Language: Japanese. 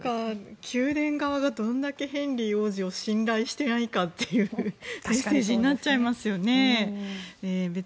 宮殿側がどれだけヘンリー王子を信頼していないかというメッセージになっちゃいますよね。